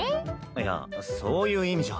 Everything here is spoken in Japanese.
いやそういう意味じゃ。